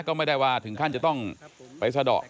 ก็ไม่ได้ว่าถึงขั้นจะต้องไปสะดอก